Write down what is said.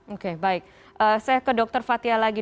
oke baik saya ke dr fathia lagi